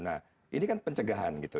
nah ini kan pencegahan gitu